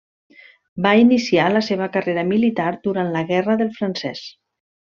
Va iniciar la seva carrera militar durant la Guerra del Francès.